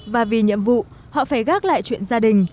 và vì nhiệm vụ họ phải gác lại chuyện gia đình